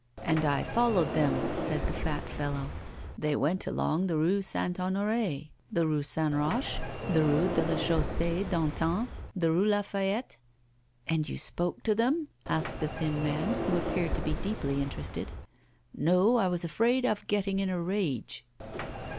'And I followed them,' said the fat fellow. 'They went along the Rue St. Honoré, the Rue St. Roch, the Rue de la Chaussée d'Antin, the Rue la Fayette ' 'And you spoke to them?' asked the thin man, who appeared to be deeply interested. 'No, I was afraid of getting in a rage.